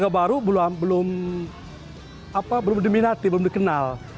baru belum diminati belum dikenal